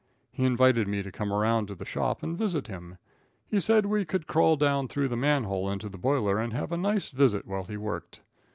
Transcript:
He invited me to come around to the shop and visit him. He said we could crawl down through the manhole into the boiler and have a nice visit while he worked.